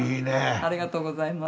ありがとうございます。